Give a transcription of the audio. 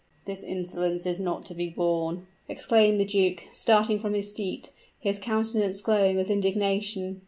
"This insolence is not to be borne," exclaimed the duke, starting from his seat, his countenance glowing with indignation.